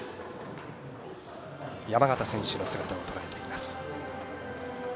山縣選手の姿をとらえています。